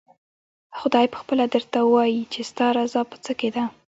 خدای پخپله درته ووايي چې ستا رضا په څه کې ده؟